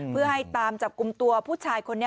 เพื่อให้ตามจับกลุ่มตัวผู้ชายคนนี้